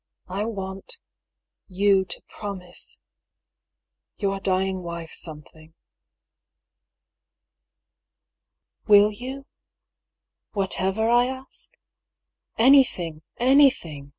I want you to promise your dying wife something. Will you — whatever I ask ?"" Anything ! anything